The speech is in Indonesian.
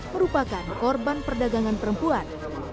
merupakan korban perdagangan perempuan